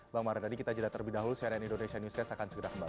bang mardhani kita jeda terlebih dahulu cnn indonesia newscast akan segera kembali